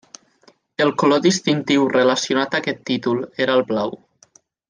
El color distintiu relacionat a aquest títol era el blau.